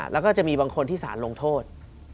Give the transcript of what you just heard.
แล้วก็จะมีบางคนที่สารลงโทษ